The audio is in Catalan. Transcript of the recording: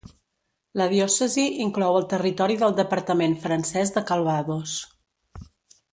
La diòcesi inclou el territori del departament francès de Calvados.